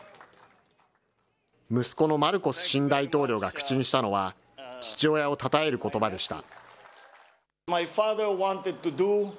息子のマルコス新大統領が口にしたのは、父親をたたえることばでした。